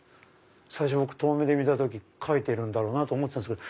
最初僕遠目で見た時描いてるんだと思ったんですけど。